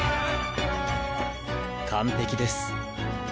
完璧です！